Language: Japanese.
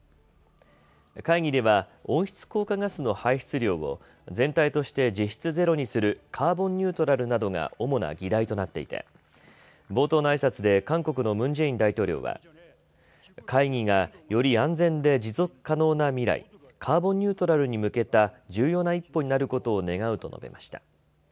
会議では温室効果ガスの排出量を全体として実質ゼロにするカーボンニュートラルなどが主な議題となっていて冒頭のあいさつで韓国のムン・ジェイン大統領は会議が、より安全で持続可能な未来、カーボンニュートラルに向けた重要な一歩になることを願うと述べました。